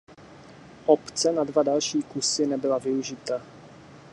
Opce na dva další kusy nebyla využita.